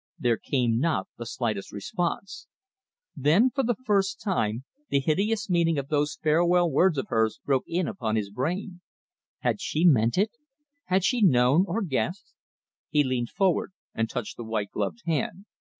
There came not the slightest response. Then for the first time the hideous meaning of those farewell words of hers broke in upon his brain. Had she meant it? Had she known or guessed? He leaned forward and touched the white gloved hand.